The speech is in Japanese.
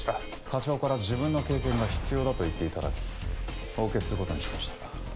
課長から自分の経験が必要だと言って頂きお受けする事にしました。